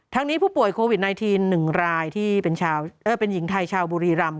นี้ผู้ป่วยโควิด๑๙๑รายที่เป็นหญิงไทยชาวบุรีรำ